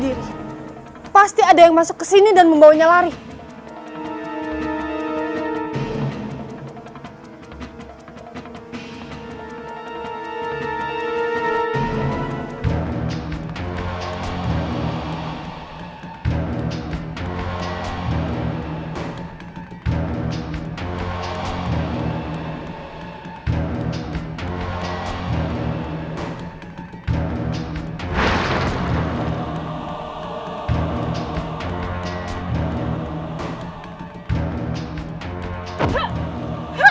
tidak ada yang mau membawa teman ilmu